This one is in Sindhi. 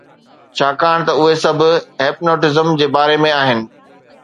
ڇاڪاڻ ته اهي سڀ hypnotism جي باري ۾ آهن